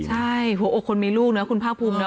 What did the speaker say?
ใช่โอเคยอุ้ยคนมีลูกเนื้อคุณภาพภูมิเนาะ